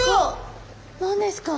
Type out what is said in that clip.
何ですか？